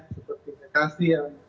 seperti kasih yang